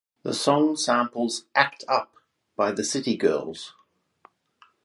The song samples "Act Up" by the City Girls.